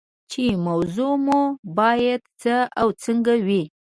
چې موضوع مو باید څه او څنګه وي.